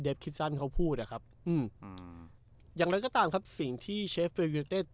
คิดสั้นเขาพูดอะครับอืมอย่างไรก็ตามครับสิ่งที่เชฟเฟลยูเต็ด